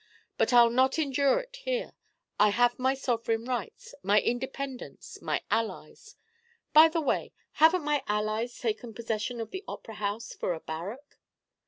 But I'll not endure it here. I have my sovereign rights, my independence, my allies. By the way, haven't my allies taken possession of the Opera House for a barrack?"